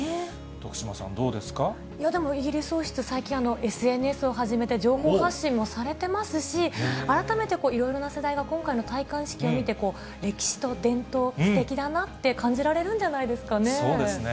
徳島さん、いや、でもイギリス王室、最近、ＳＮＳを始めて情報発信もされてますし、改めていろいろな世代が今回の戴冠式を見て、歴史と伝統、すてきだなって、そうですね。